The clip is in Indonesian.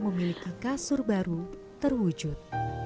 memiliki kasur baru terwujud